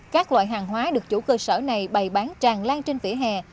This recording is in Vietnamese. các loại hàng hóa được chủ cơ sở này bày bán tràn lan trên vỉa hè